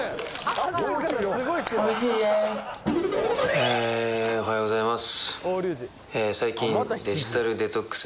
えおはようございます。